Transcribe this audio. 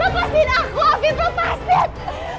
lepasin aku afif lepasin